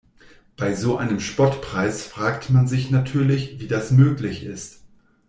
Bei so einem Spottpreis fragt man sich natürlich, wie das möglich ist.